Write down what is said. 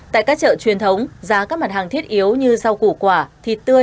tại các chợ truyền thống giá các mặt hàng thiết yếu như rau củ quả thịt tươi